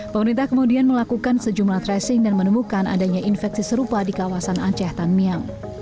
pemerintah kemudian melakukan sejumlah tracing dan menemukan adanya infeksi serupa di kawasan aceh tan miang